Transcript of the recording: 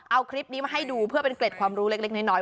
เอาคลิปนี้มาให้ดูเพื่อเป็นเกร็ดความรู้เล็กน้อย